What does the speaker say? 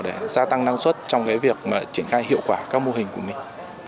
để gia tăng năng suất trong việc triển khai hiệu quả các mô hình của mình